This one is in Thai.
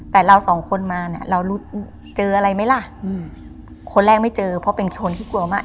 แต่เราสองคนมาเนี่ยเรารู้เจออะไรไหมล่ะอืมคนแรกไม่เจอเพราะเป็นคนที่กลัวมาก